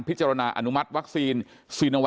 ก็คือเป็นการสร้างภูมิต้านทานหมู่ทั่วโลกด้วยค่ะ